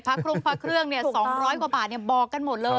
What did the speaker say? พระครุ่งพระเครื่องเนี่ย๒๐๐กว่าบาทบอกกันหมดเลยนะ